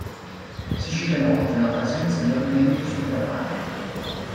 Si cita inoltre la presenza di ambienti sotterranei.